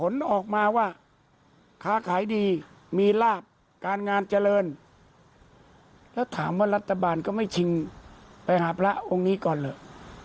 แล้วถามว่ารัฐบาลก็ไม่ชิงไปหาพระองค์นี้ก่อนเลย